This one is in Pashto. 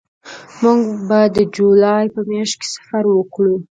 موږ به د جولای په میاشت کې سفر وکړو